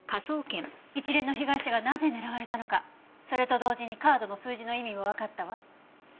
一連の被害者がなぜ狙われたのかそれと同時にカードの数字の意味もわかったわ。